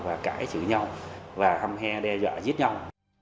và cãi chửi nhau và hâm he đe dọa giết nhau